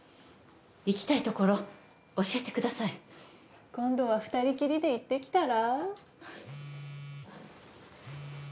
行きたいところ教えてください今度は二人きりで行ってきたら？